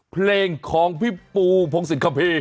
เพลงของพี่ปูพงศิษยคี